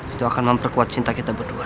itu akan memperkuat cinta kita berdua